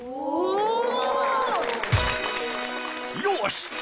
よし！